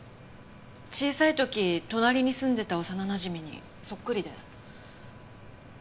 小さい時隣に住んでた幼なじみにそっくりで。